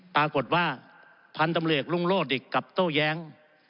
ปรากฏว่าพันธุ์ธรรมเรียกรุงโลศดิกกับโต้แย้ง